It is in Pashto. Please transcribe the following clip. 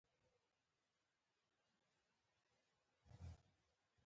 دې لیک په ده کې یوه نا اشنا تلوسه راویښه کړه.